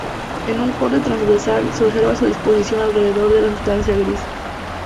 En un corte transversal se observa su disposición alrededor de la sustancia gris.